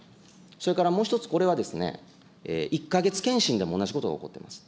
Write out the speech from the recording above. それからもう１つこれはですね、１か月健診でも同じことが起こっています。